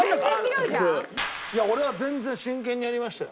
いや俺は全然真剣にやりましたよ。